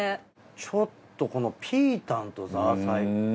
ちょっとこのピータンとザーサイ。